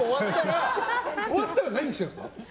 終わったら何してるんですか？